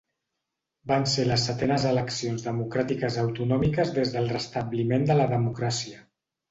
Van ser les setenes eleccions democràtiques autonòmiques des del restabliment de la democràcia.